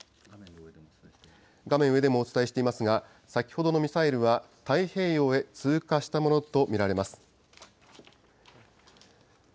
画面上でもお伝えしていますが、先ほどのミサイルは太平洋へ通過したものと見られます。